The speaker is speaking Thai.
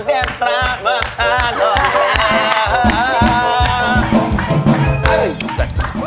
เรียนร้อนมาก